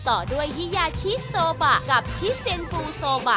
ต่อด้วยฮิยาชิโซบะกับชิเซียนฟูโซบะ